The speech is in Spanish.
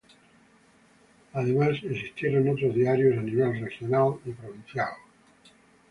Además, existieron otros diarios a nivel regional y provincial.